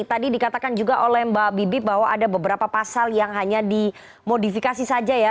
tadi dikatakan juga oleh mbak bibip bahwa ada beberapa pasal yang hanya dimodifikasi saja ya